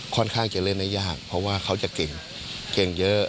ค่อนข้างจะเล่นได้ยากเพราะว่าเขาจะเก่งเก่งเยอะ